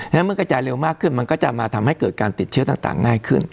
แล้วเมื่อกระจายเร็วมากขึ้นมันก็จะมาทำให้เกิดการติดเชื้อต่างง่ายขึ้น